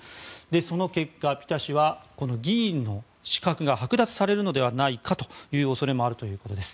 その結果、ピタ氏は議員の資格が剥奪されるのではないかという恐れもあるということです。